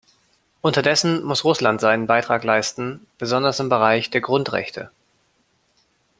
Unterdessen muss Russland seinen Beitrag leisten, besonders im Bereich der Grundrechte.